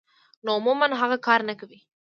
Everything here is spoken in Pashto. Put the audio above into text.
نو عموماً هغه کار نۀ کوي -